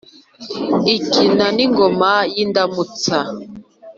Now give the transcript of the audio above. ikina n’ ingoma y’ indamutsa